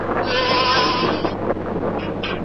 آیا ته پوهېږې چې د زردالیو مېوه کله پخېږي؟